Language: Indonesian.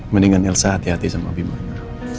mendingan elsa hati hati sama bimanya